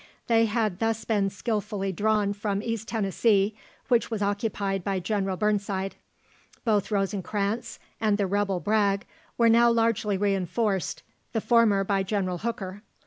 They had thus been skilfully drawn from East Tennessee, which was occupied by General Burnside. Both Rosencranz and the rebel Bragg were now largely reinforced, the former by General Hooker.